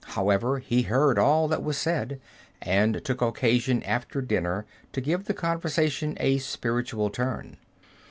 However, he heard all that was said, and took occasion after dinner to give the conversation a spiritual turn.